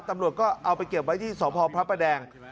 ตำรวจก็เอาไปเก็บไว้ที่สพพระประแดง